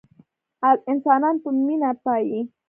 انسانان په مينه پايي